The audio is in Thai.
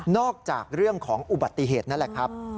จากเรื่องของอุบัติเหตุนั่นแหละครับ